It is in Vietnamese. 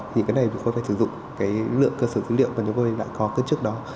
những cái này chúng tôi có thể sử dụng cái lượng cơ sở dữ liệu mà chúng tôi đã có trước đó